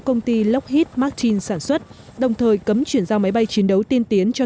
công ty lockhe martin sản xuất đồng thời cấm chuyển giao máy bay chiến đấu tiên tiến cho